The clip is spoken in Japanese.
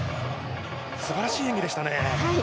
素晴らしい演技でしたね。